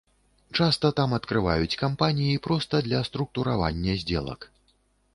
Часта там адкрываюць кампаніі проста для структуравання здзелак.